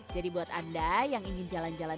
jadi buat anda yang ingin jalan jalan